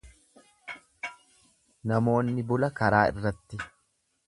Namoonni bula karaa irratti.